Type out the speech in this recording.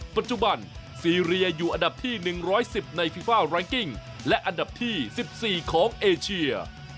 ปัจจุบันซีเรียอยู่อันดับที่หนึ่งร้อยสิบในฟีฟ้ารังกิ้งและอันดับที่สิบสี่ของเอเชีย